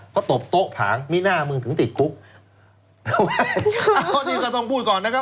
เขาตบโต๊ะผางมีหน้ามึงถึงติดคุกเพราะนี่ก็ต้องพูดก่อนนะครับ